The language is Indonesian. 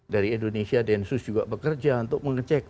dari indonesia densus juga bekerja untuk mengecek